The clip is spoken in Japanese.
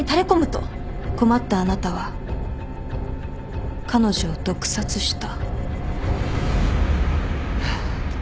困ったあなたは彼女を毒殺した。